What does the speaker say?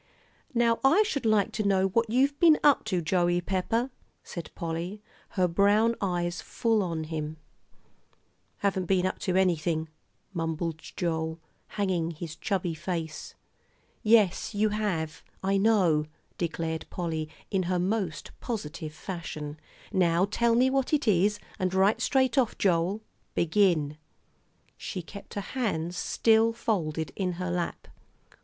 "Now I should like to know what you've been up to, Joey Pepper?" said Polly, her brown eyes full on him. "Haven't been up to anything," mumbled Joel, hanging his chubby face. "Yes, you have, I know," declared Polly, in her most positive fashion; "now tell me what it is, and right straight off, Joel. Begin." She kept her hands still folded in her lap.